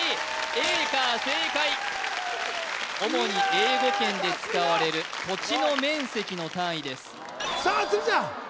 エーカー正解主に英語圏で使われる土地の面積の単位ですさあ鶴ちゃん